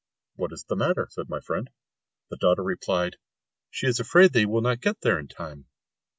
"What is the matter?" said my friend. The daughter replied, "She is afraid that they will not get there in time!"